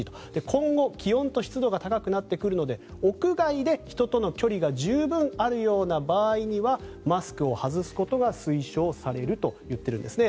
今後、気温と湿度が高くなってくるので屋外で人との距離が十分あるような場合にはマスクを外すことが推奨されると言っているんですね。